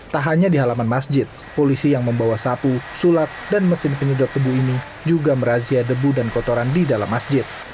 tak hanya di halaman masjid polisi yang membawa sapu sulap dan mesin penyedot debu ini juga merazia debu dan kotoran di dalam masjid